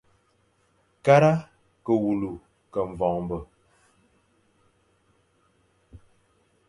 Kara ke wule ke voñbe.